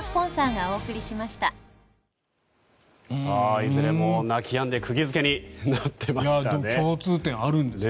いずれも泣きやんで釘付けになっていましたね。